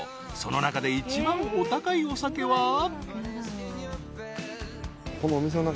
［その中で一番お高いお酒は？］